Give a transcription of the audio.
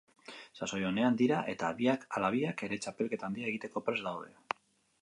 Sasoi onean dira eta biak ala biak ere txapelketa handia egiteko prest daude.